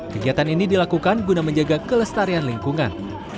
kegiatan ini dilakukan guna menjaga kelestarian lingkungan